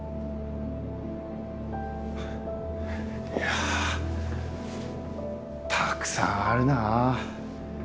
いやたくさんあるな。